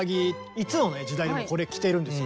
いつの時代でもこれ着てるんですよ。